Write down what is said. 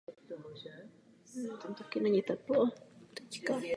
Otec zpíval v klubech.